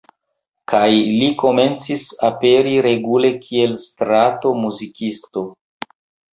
Kaj ili komencis aperi regule kiel strato muzikisto.